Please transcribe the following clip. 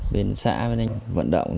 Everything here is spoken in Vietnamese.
bên xã vận động